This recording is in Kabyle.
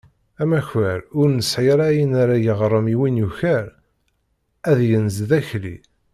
Amakar ur nesɛi ara ayen ara yeɣrem i win yuker, ad yenz d akli.